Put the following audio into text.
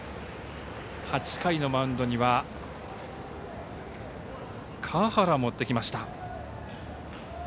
８回のマウンドには川原を持ってきました。